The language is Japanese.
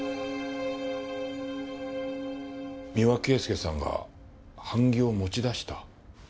三輪圭祐さんが版木を持ち出した？